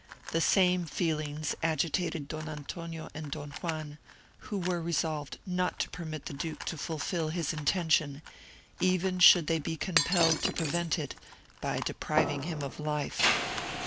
The same feelings agitated Don Antonio and Don Juan, who were resolved not to permit the duke to fulfil his intention, even should they be compelled to prevent it by depriving him of life.